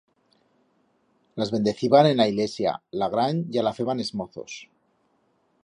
Las bendeciban en a ilesia, la gran ya la feban es mozos.